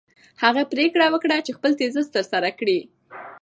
هغې پرېکړه وکړه چې خپل تیزیس ترسره کړي.